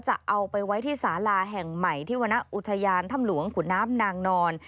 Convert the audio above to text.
จะเอาไปไว้ที่สาลาแห่งใหม่ที่วรรณอุทยานถ้ำหลวงขุนน้ำนางนอน